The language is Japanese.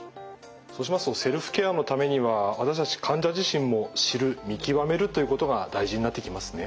そうしますとセルフケアのためには私たち患者自身も知る見極めるということが大事になってきますね。